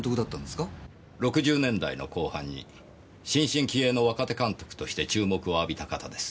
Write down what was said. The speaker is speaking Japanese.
６０年代の後半に新進気鋭の若手監督として注目を浴びた方です。